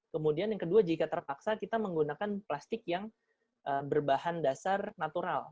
kemudian yang kedua jika terpaksa kita menggunakan plastik yang berbahan dasar natural